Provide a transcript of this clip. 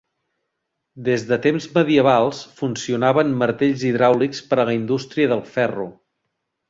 Des de temps medievals funcionaven martells hidràulics per a la indústria del ferro.